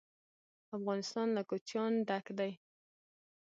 افغانستان له کوچیان ډک دی.